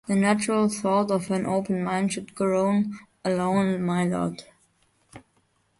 The natural thought of an open mind should govern alone my lot.